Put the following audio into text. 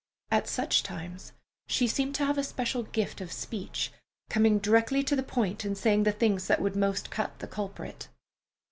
At such times she seemed to have a special gift of speech, coming directly to the point and saying the things that would most cut the culprit.